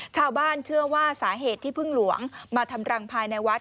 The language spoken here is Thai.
ชาวบ้านเชื่อว่าสาเหตุที่พึ่งหลวงมาทำรังภายในวัด